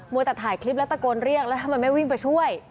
วัวแต่ถ่ายคลิปแล้วตะโกนเรียกแล้วทำไมไม่วิ่งไปช่วย